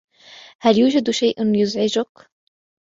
هل يوجد شيء يُزعِجَك ؟